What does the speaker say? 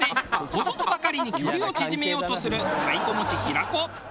ここぞとばかりに距離を縮めようとする太鼓持ち平子。